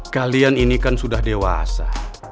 kalian ini kan sudah dewasa